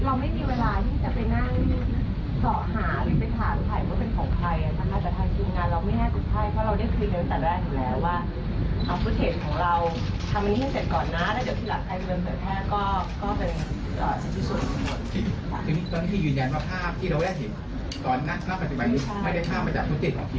ตอนนั้นณปัจจุบันนี้ไม่ได้ท่ามาจากธุรกิจของทีมงานเลย